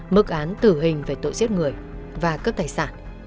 mức án tử hình về tội giết người và cướp tài sản